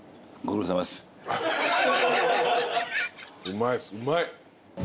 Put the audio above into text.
うまいっすうまい。